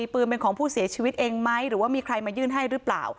ปืนเป็นของผู้เสียชีวิตเองไหมหรือว่ามีใครมายื่นให้หรือเปล่า